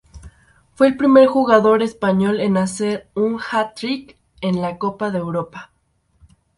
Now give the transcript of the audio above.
Fue el primer jugador español en hacer un hat-trick en la Copa de Europa.